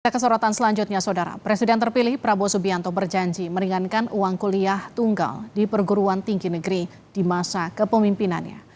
kesorotan selanjutnya saudara presiden terpilih prabowo subianto berjanji meringankan uang kuliah tunggal di perguruan tinggi negeri di masa kepemimpinannya